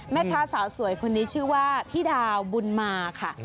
แม่ค้าสาวสวยคนนี้ชื่อว่าพี่ดาวบุญมาค่ะ